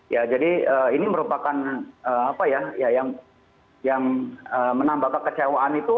ya jadi ini merupakan apa ya yang menambah kekecewaan itu